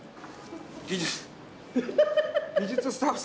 技術。